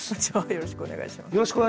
よろしくお願いします。